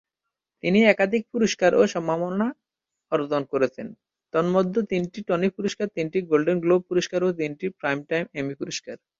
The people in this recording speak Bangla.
তিনি একাধিক পুরস্কার ও সম্মাননা অর্জন করেছেন, তন্মধ্যে তিনটি টনি পুরস্কার, তিনটি গোল্ডেন গ্লোব পুরস্কার ও তিনটি প্রাইমটাইম এমি পুরস্কার।